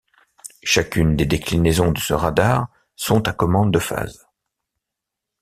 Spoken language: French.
Chacune des déclinaisons de ce radar sont à commande de phase.